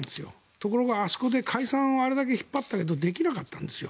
ところがあそこで解散をあれだけ引っ張ったけどできなかったんですよ。